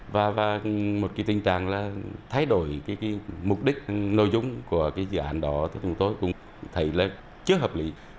và một cái tình trạng là thay đổi cái mục đích nội dung của cái dự án đó thì chúng tôi cũng thấy là chưa hợp lý